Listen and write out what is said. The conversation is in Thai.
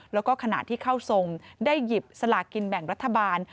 แล้วก็ขณะที่เข้าทรงได้หยิบสลากกินแบ่งรัฐบาล